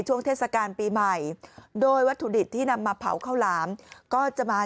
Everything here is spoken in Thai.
ช่วงเทศกาลปีใหม่โดยวัตถุดิบที่นำมาเผาข้าวหลามก็จะมา